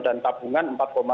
dan tabungan empat satu